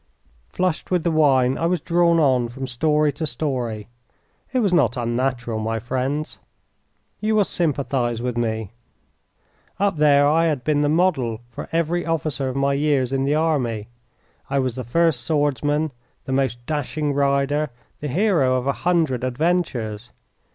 Flushed with the wine, I was drawn on from story to story. It was not unnatural, my friends. You will sympathise with me. Up there I had been the model for every officer of my years in the army. I was the first swordsman, the most dashing rider, the hero of a hundred adventures.